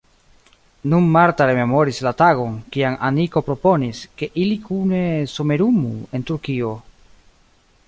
Nun Marta rememoris la tagon, kiam Aniko proponis, ke ili kune somerumu en Turkio.